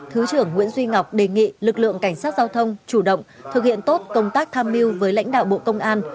thứ trưởng nguyễn duy ngọc đề nghị lực lượng cảnh sát giao thông chủ động thực hiện tốt công tác tham mưu với lãnh đạo bộ công an